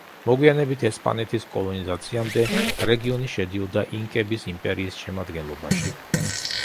მოგვიანებით, ესპანეთის კოლონიზაციამდე, რეგიონი შედიოდა ინკების იმპერიის შემადგენლობაში.